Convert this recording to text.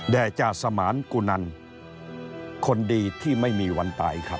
จาสมานกุนันคนดีที่ไม่มีวันตายครับ